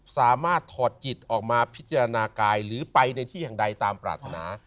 ถอดจิตออกมาพิจารณากายหรือไปในที่แห่งใดตามปรารถนา